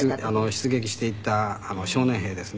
出撃していった少年兵ですね。